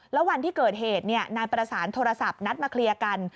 แล้ววันที่เกิดเหตุนายประสานโทรศัพท์นัดมาเคลียร์กัน